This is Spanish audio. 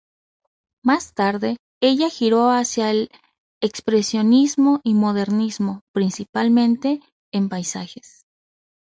Más tarde, ella giró hacia el expresionismo y modernismo, principalmente en paisajes.